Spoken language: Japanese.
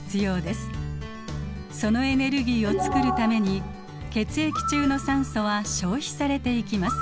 そのエネルギーをつくるために血液中の酸素は消費されていきます。